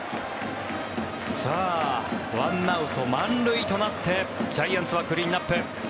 １アウト満塁となってジャイアンツはクリーンアップ。